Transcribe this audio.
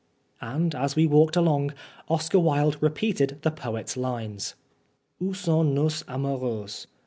And as we walked along, Oscar Wilde repeated the poet's lines :" On sont nos amoureuses